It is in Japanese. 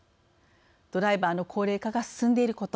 ドライバーの高齢化が進んでいること。